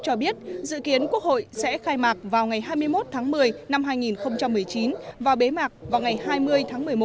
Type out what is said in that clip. cho biết dự kiến quốc hội sẽ khai mạc vào ngày hai mươi một tháng một mươi năm hai nghìn một mươi chín và bế mạc vào ngày hai mươi tháng một mươi một